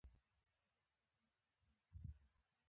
هغوی د ښایسته ماښام له رنګونو سره سندرې هم ویلې.